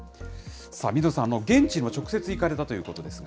さあ水野さん、現地へも直接行かれたということですが。